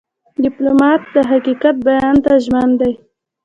ډيپلومات د حقیقت بیان ته ژمن دی.